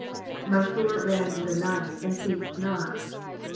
^^My sore ran in ^ night, and cea$ed not.